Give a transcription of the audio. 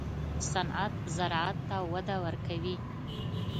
صنعت زراعت ته وده ورکوي